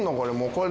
これ。